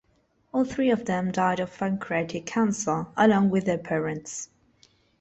All three of them died of pancreatic cancer, along with their parents.